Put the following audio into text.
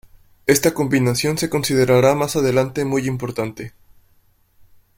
Esta combinación se considerará más adelante muy importante.